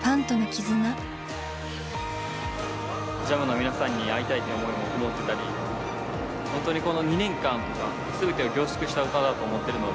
ＪＡＭの皆さんに会いたいって思いもこもってたり本当にこの２年間全てを凝縮した歌だと思ってるので。